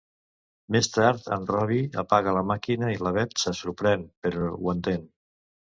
Més tard, en Robbie apaga la màquina i la Beth se sorprèn, però ho entén.